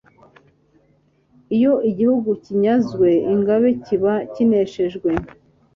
Iyo igihugu kinyazwe Ingabe kiba kineshejwe,